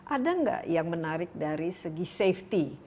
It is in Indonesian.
ada nggak yang menarik dari segi safety